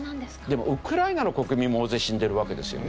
でもウクライナの国民も大勢死んでいるわけですよね。